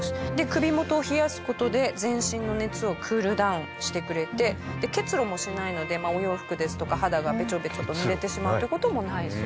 首元を冷やす事で全身の熱をクールダウンしてくれて結露もしないのでお洋服ですとか肌がベチョベチョと濡れてしまうという事もないそうです。